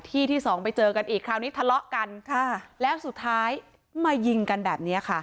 ที่ที่สองไปเจอกันอีกคราวนี้ทะเลาะกันค่ะแล้วสุดท้ายมายิงกันแบบนี้ค่ะ